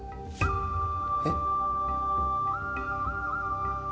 えっ？